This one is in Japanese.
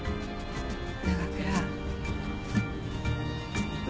長倉。